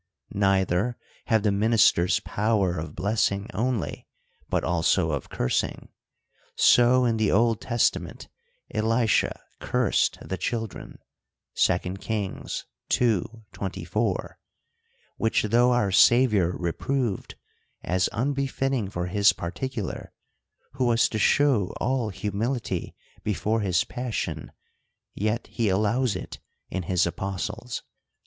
— Neither have the ministers power of blessing only, but also of cursing. So, in the Old Testament, EUsha cursed the children (2 Kings ii. 24) ; which though our Saviour reproved, as unbefitting for his par ticular, who was to shew all humility before his passion, yet he allows it in his apostles.